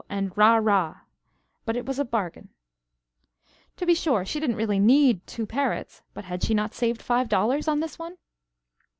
and "Rah! Rah!" but it was a bargain. To be sure, she didn't really need two parrots, but had she not saved five dollars on this one?